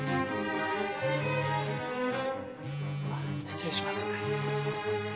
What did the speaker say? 失礼します。